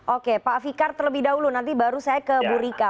oke pak fikar terlebih dahulu nanti baru saya ke bu rika